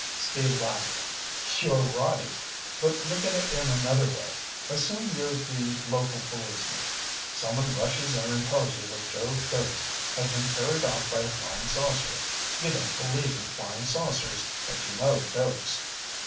Steve laughed. "You're right. But look at it in another way. Assume you're the local policeman. Someone rushes in and tells you that Joe Doakes has been carried off by a flying saucer. You don't believe in flying saucers, but you know Doakes.